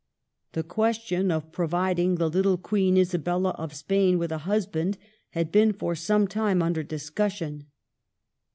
The question of providing the little Queen Isabella of Spain with a husband had been for some time under discussion.